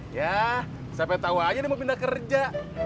ya siapa yang tahu aja dia mau pindah kerja